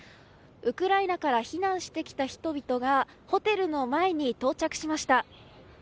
ウクライナから避難してきた人々がホテルの前に到着しました。